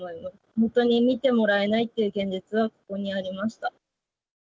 本当に診てもらえないという現実はここにありました。